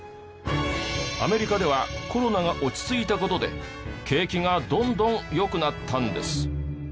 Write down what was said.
アメリカではコロナが落ち着いた事で景気がどんどん良くなったんです。